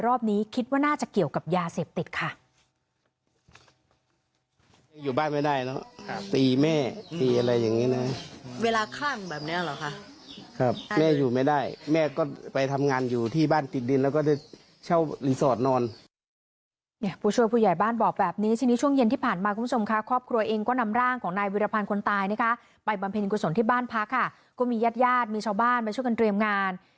รอบนี้คิดว่าน่าจะเกี่ยวกับยาเสพติดค่ะ